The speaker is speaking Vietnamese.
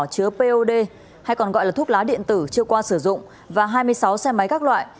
chứa pod hay còn gọi là thuốc lá điện tử chưa qua sử dụng và hai mươi sáu xe máy các loại